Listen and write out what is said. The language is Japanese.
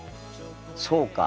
そうか。